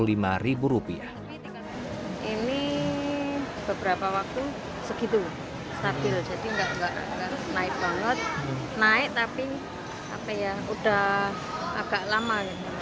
ini beberapa waktu segitu stabil jadi naik banget naik tapi udah agak lama